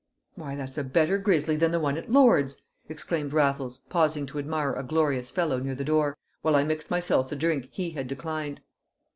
"Why, that's a better grisly than the one at Lord's!" exclaimed Raffles, pausing to admire a glorious fellow near the door, while I mixed myself the drink he had declined.